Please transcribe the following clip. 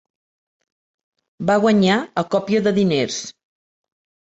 Va guanyar a còpia de diners.